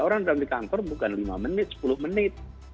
orang dalam di kantor bukan lima menit sepuluh menit